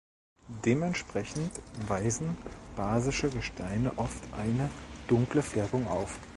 Dementsprechend weisen basische Gesteine oft eine dunkle Färbung auf.